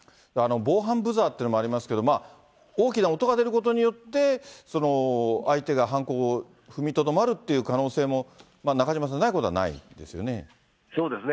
防犯ブザーっていうのもありますけど、大きな音が出ることによって、相手が犯行を踏みとどまるって可能性も、中島さん、そうですね。